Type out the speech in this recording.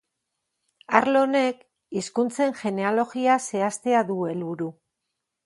Arlo honek hizkuntzen genealogia zehaztea du helburu.